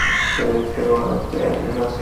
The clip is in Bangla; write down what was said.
ছেলের ইশারায় মোক্ষদা সরিয়া আসে কাছে।